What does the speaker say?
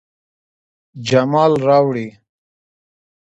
جمال راوړي